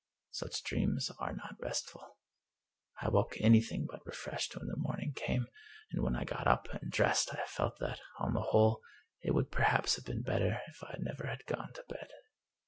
Such dreams are not restful. I woke anything but refreshed when the morning came. And when I got up and dressed I felt that, on the whole, it would perhaps have been better if I never had gone to bed.